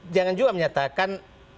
jangan juga menyatakan